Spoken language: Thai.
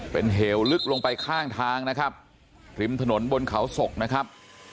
เป็นเหวลึกลงไปข้างทางนะครับริมถนนบนเขาศกนะครับ